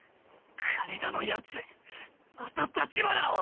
金田のやつまた橘を！